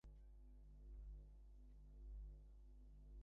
শশী না দেয় কৈফিয়ত, না করে তর্ক।